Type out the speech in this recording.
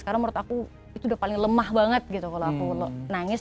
karena menurut aku itu udah paling lemah banget gitu kalau aku nangis